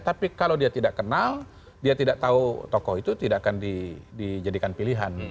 tapi kalau dia tidak kenal dia tidak tahu tokoh itu tidak akan dijadikan pilihan